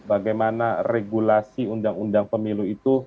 bagaimana regulasi undang undang pemilu itu